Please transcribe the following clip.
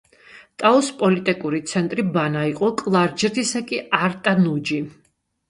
ტაოს პოლიტიკური ცენტრი ბანა იყო, კლარჯეთისა კი არტანუჯი.